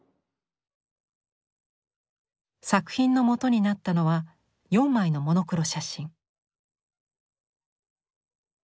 作品の基になったのは４枚のモノクロ写真。